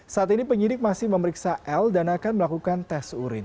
saat ini penyidik masih memeriksa l dan akan melakukan tes urin